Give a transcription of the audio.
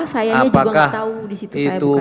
saya juga enggak tahu disitu